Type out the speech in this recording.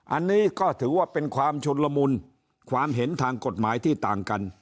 อันนี้ก็ถือว่าเป็นความชุนละมุนความเห็นทางกฎหมายที่ต่างกัน